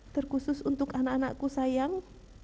terkhusus untuk anak anakku sayang